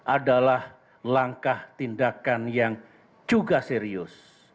adalah langkah tindakan yang juga serius